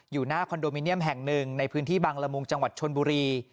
หน้าคอนโดมิเนียมแห่งหนึ่งในพื้นที่บางละมุงจังหวัดชนบุรี